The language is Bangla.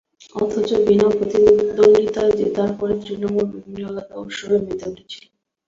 অথচ বিনা প্রতিদ্বন্দ্বিতায় জেতার পর তৃণমূল বিভিন্ন এলাকায় উৎসবে মেতে উঠেছিল।